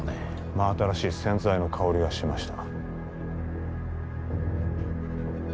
真新しい洗剤の香りがしました